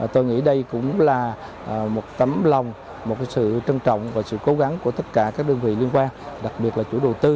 tôi nghĩ đây cũng là một tấm lòng một sự trân trọng và sự cố gắng của tất cả các đơn vị liên quan đặc biệt là chủ đầu tư